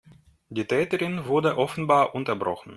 Die Täterin wurde offenbar unterbrochen.